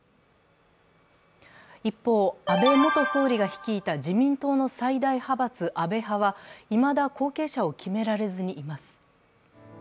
一方、安倍元総理が率いた自民党の最大派閥・安倍派はいまだ後継者を決められずにいます。